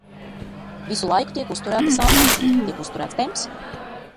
Visu laiku tiek uzturēta sāncensība, tiek uzturēts temps.